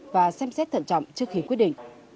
và xem xét thận trọng trước khi quyết định